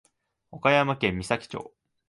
岡山県美咲町